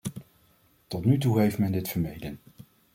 Tot nu toe heeft men dit vermeden.